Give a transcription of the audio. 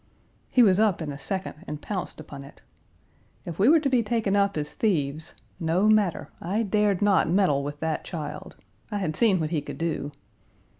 He was up in a second and pounced upon it. If we were to be taken up as thieves, no matter, I dared not meddle with that child. I had seen what he could do.